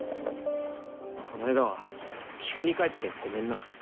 この間は急に帰ってごめんな。